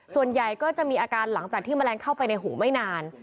ส่วนใหญ่ก็จะมีอาการหลังจากที่แมลงเข้าไปในหูไม่นาน